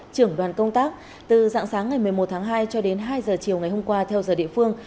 trưởng đoàn công tác từ dạng sáng ngày một mươi một tháng hai cho đến hai giờ chiều ngày hôm qua theo giờ địa phương